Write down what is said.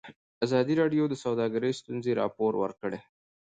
ازادي راډیو د سوداګري ستونزې راپور کړي.